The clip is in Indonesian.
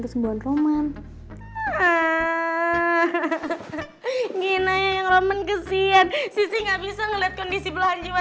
kesembuhan roman ah enggak yang roman kesian sisi nggak bisa ngelihat kondisi belahan jiwa